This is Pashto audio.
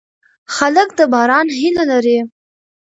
خلک د باران هیله لري.